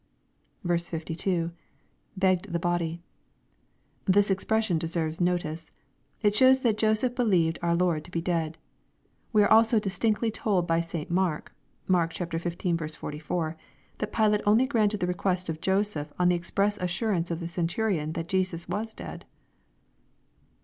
52. — \Begged the hodyJ] This expression deserves notice. It shows that Joseph believed our Lord to be dead. We are also distinctly told by St. Mark (Mark xv. 44,) that Pilate only granted the re quest of Joseph on the express assurance of the Centurion that Jesus was dead.